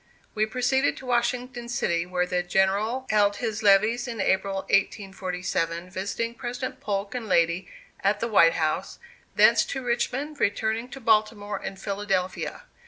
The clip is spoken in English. We proceeded to Washington city, where the General held his levees in April, 1847, visiting President Polk and lady at the White House thence to Richmond, returning to Baltimore and Philadelphia.